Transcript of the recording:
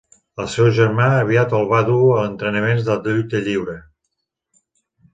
El seu germà aviat el va dur a entrenaments de lluita lliure.